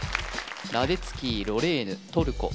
ラデツキーロレーヌトルコ